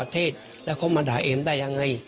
ก็เลยขับรถไปมอบตัว